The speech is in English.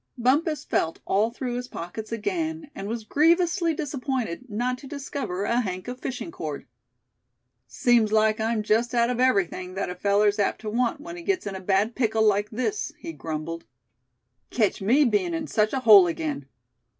Bumpus felt all through his pockets again, and was grievously disappointed not to discover a hank of fishing cord. "Seems like I'm just out of everything that a feller's apt to want when he gets in a bad pickle like this," he grumbled. "Ketch me bein' in such a hole again.